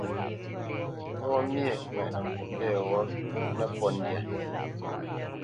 Ŋgó myéʼ ŋwɛʼnə Mbwoʼmbî yeghó nə́pōt ndyâ.